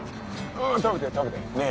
食べて食べてねえ